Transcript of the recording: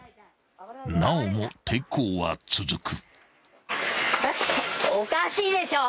［なおも抵抗は続く］